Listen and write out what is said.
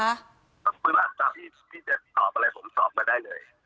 คุยว่าที่จะตอบอะไรผมตอบมาได้เลย